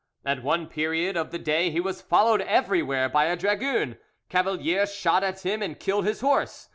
At one period of the day he was followed everywhere by a dragoon; Cavalier shot at him and killed his horse.